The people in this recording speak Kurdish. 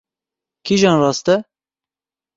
Kîjan rast e?